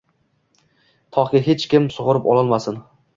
Toki hech kim sug‘urib ololmasin”.